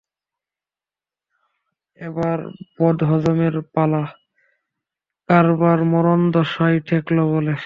এবার বদহজমের পালা, কারবার মরণদশায় ঠেকল বলে!